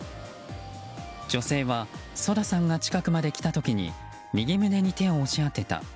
女性はＳＯＤＡさんが近くまで来た時に右胸に手を押し当てた。